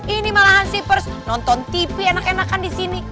ini malahan sipers nonton tv enak enakan di sini